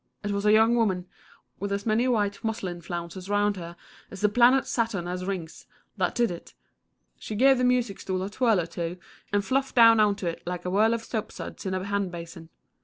It was a young woman, with as many white muslin flounces round her as the planet Saturn has rings, that did it. She gave the music stool a twirl or two and fluffed down on to it like a whirl of soap suds in a hand basin.